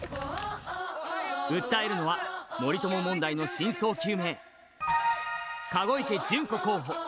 訴えるのは、森友問題の真相究明、籠池諄子候補。